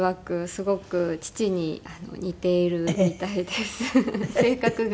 すごく父に似ているみたいです性格が。